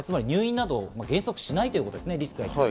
入院などを原則しないということですね。